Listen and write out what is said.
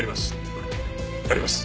やります。